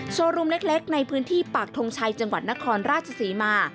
โชว์รูมเล็กในพื้นที่ปากทงชัยจังหวัดนครราชศรีมา